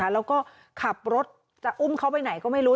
แล้วก็ขับรถจะอุ้มเขาไปไหนก็ไม่รู้